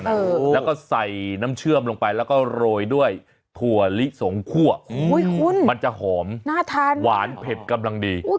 แล้วก็ใส่น้ำเชื่อมลงไปแล้วก็โรยด้วยถั่วลิสงคั่วคุณมันจะหอมน่าทานหวานเผ็ดกำลังดี